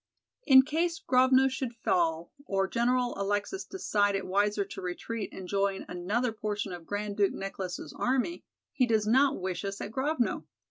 In case Grovno should fall, or General Alexis decide it wiser to retreat and join another portion of Grand Duke Nicholas' army, he does not wish us at Grovno.